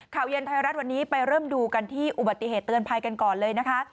ข่าวเย็นไทยรัฐวันนี้ไปเริ่มดูกันที่อุบัติเหตุเตือนภัยกันก่อนเลยนะคะ